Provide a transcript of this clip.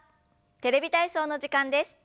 「テレビ体操」の時間です。